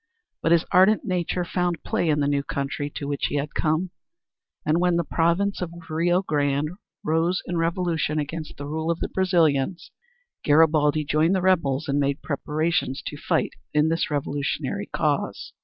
But his ardent nature found play in the new country to which he had come, and when the Province of Rio Grande rose in revolution against the rule of the Brazilians, Garibaldi joined the rebels and made preparations to fight in the revolutionary cause.